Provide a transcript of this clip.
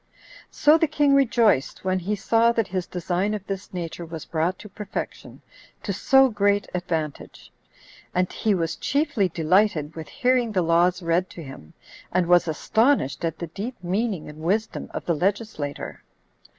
14. So the king rejoiced when he saw that his design of this nature was brought to perfection, to so great advantage; and he was chiefly delighted with hearing the Laws read to him; and was astonished at the deep meaning and wisdom of the legislator.